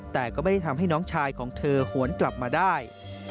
แต่ก็ไม่ได้ทำให้น้องชายของเธอหวนกลับมาได้